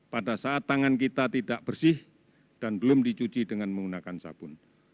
pada saat tangan kita tidak bersih dan belum dicuci dengan menggunakan sabun